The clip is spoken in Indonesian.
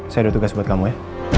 saya udah tugas buat kamu ya